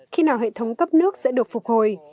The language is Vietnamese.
khi nào hệ thống cấp nước sẽ được phục hồi